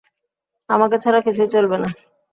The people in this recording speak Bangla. আমাকে ছাড়া কিছুই চলবে না।